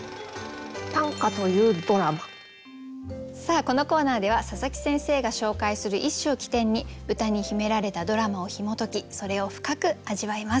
さあこのコーナーでは佐佐木先生が紹介する一首を起点に歌に秘められたドラマをひも解きそれを深く味わいます。